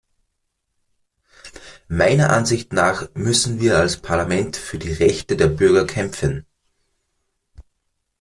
Meiner Ansicht nach müssen wir als Parlament für die Rechte der Bürger kämpfen.